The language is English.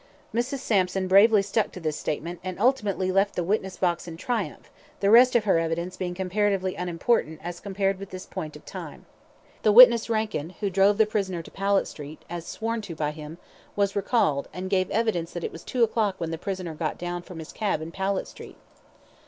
Mrs. Sampson bravely stuck to this statement, and ultimately left the witness box in triumph, the rest of her evidence being comparatively unimportant as compared with this point of time. The witness Rankin, who drove the prisoner to Powlett Street (as sworn to by him) was recalled, and gave evidence that it was two o'clock when the prisoner got down from his cab in Powlett Street.